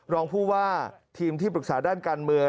รองผู้ว่าทีมที่ปรึกษาด้านการเมือง